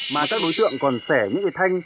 mà các đối tượng còn xẻ những cây thanh